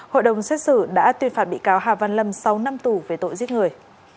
hội đồng xét xử đã tuyên phạt bị cáo hà văn lâm sáu năm tù về tội giết người